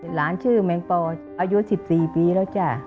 หลานชื่อแมงปออายุ๑๔ปีแล้วจ้ะ